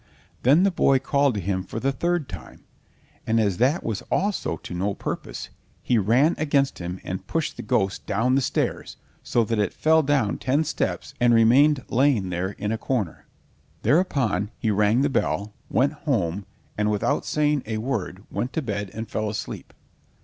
Then the boy called to him for the third time, and as that was also to no purpose, he ran against him and pushed the ghost down the stairs, so that it fell down ten steps and remained lying there in a corner. Thereupon he rang the bell, went home, and without saying a word went to bed and fell asleep.